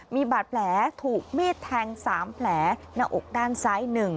มีบาดแผลถูกมีดแทง๓แผลหน้าอกด้านซ้าย๑